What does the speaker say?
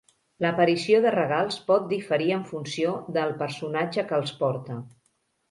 L'aparició de regals pot diferir en funció del personatge que els porta.